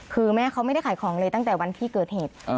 คือแม่เขาไม่ได้ขายของเลยตั้งแต่วันที่เกิดเหตุ